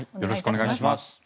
よろしくお願いします。